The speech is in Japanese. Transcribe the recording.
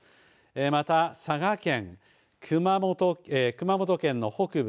また佐賀県熊本県の北部